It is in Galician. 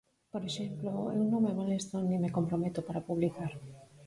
Por exemplo, eu non me molesto nin me comprometo para publicar.